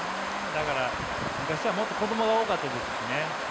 だから昔はもっと子供が多かったですしね。